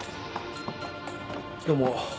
どうも。